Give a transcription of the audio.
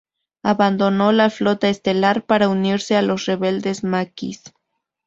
Abandonó la Flota Estelar para unirse a los rebeldes Maquis.